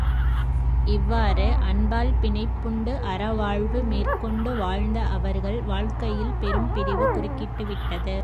இவ்வாறு அன்பால் பிணைப்புண்டு அறவாழ்வு மேற்கொண்டு வாழ்ந்த அவர்கள் வாழ்க்கையில் பெரும் பிரிவு குறுக்கிட்டு விட்டது.